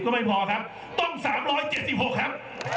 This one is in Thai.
ไม่พอครับต้อง๓๗๖ครับ